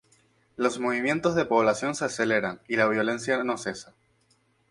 Los movimientos de población se aceleran y la violencia no cesa.